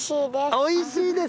おいしいです。